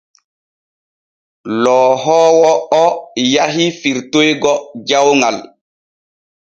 Lohoowo o yahi firtoygo jawŋal.